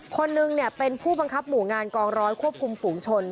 คนหนึ่งเป็นผู้บังคับหมู่งานกองร้อยควบคุมฝูงชน